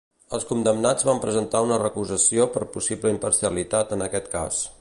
Els condemnats van presentar una recusació per possible imparcialitat en aquest cas.